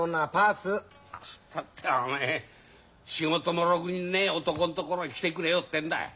そしたってお前仕事もろくにねえ男んところへ来てくれようってんだい。